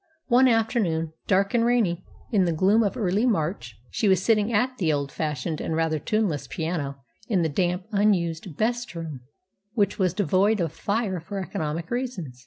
One afternoon, dark and rainy, in the gloom of early March, she was sitting at the old fashioned and rather tuneless piano in the damp, unused "best room," which was devoid of fire for economic reasons.